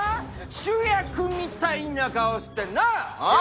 主役みたいな顔してなあ？